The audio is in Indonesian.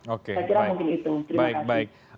oke baik baik